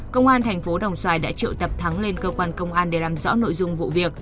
công an thành phố đồng xoài đã triệu tập thắng lên cơ quan công an để làm rõ nội dung vụ việc